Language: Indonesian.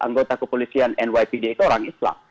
anggota kepolisian nypd itu orang islam